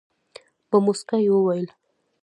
په موسکا یې وویل.